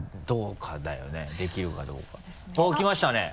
おっきましたね。